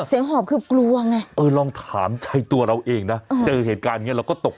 เสียงหอบคือกลัวไงเออลองถามชัยตัวเรานะครับ